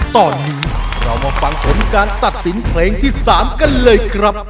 ตอนนี้เรามาฟังผลการตัดสินเพลงที่๓กันเลยครับ